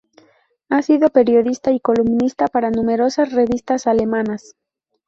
Ha sido periodista y columnista para numerosas revistas alemanas.